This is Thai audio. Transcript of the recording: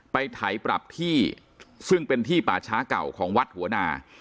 ไถปรับที่ซึ่งเป็นที่ป่าช้าเก่าของวัดหัวนา